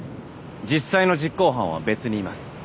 実際の実行犯は別にいます